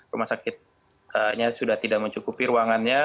rumah sakitnya sudah tidak mencukupi ruangannya